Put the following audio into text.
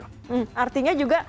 hmm artinya juga